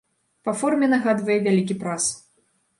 Па форме нагадвае вялікі прас.